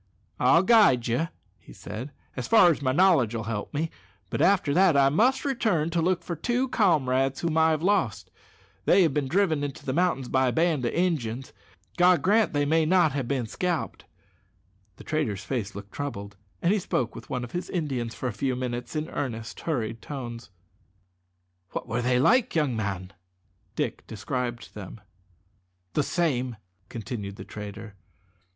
"I'll guide you," said he, "as far as my knowledge 'll help me; but after that I must return to look for two comrades whom I have lost. They have been driven into the mountains by a band of Injuns. God grant they may not have bin scalped!" The trader's face looked troubled, and he spoke with one of his Indians for a few minutes in earnest, hurried tones. "What were they like, young man?" Dick described them. "The same," continued the trader.